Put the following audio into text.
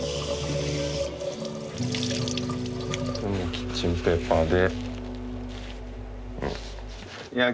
キッチンペーパーで。